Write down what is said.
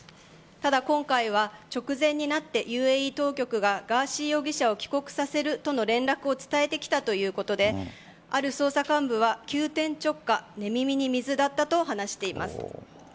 ただ、今回は直前になってＵＡＥ当局がガーシー容疑者を帰国させるとの連絡を伝えてきたということである捜査幹部は急転直下寝耳に水だったと話しています。